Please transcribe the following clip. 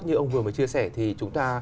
như ông vừa mới chia sẻ thì chúng ta